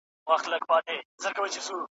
نه تشوش وی د سبا نه غم د تیرو